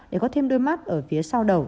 để có thêm đôi mắt ở phía sau đầu